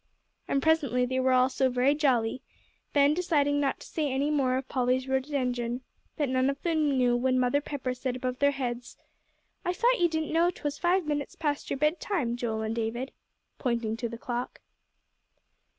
And presently they were all so very jolly, Ben deciding not to say anything more of Polly's rhododendron, that none of them knew when Mother Pepper said above their heads, "I thought you didn't know 'twas five minutes past your bedtime, Joel and David," pointing to the clock.